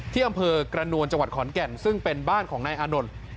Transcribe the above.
ที่อำเภอกระนวลจังหวัดขอนแก่นซึ่งเป็นบ้านของนายอานนท์